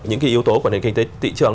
những cái yếu tố của nền kinh tế thị trường